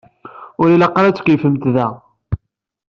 Ur ilaq ara ad tkeyyfemt da.